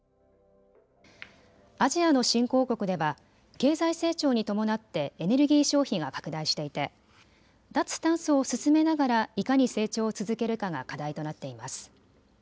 アジアの新興国では経済成長に伴ってエネルギー消費が拡大していて脱炭素を進めながらいかに成長を続けるかが課題となっています。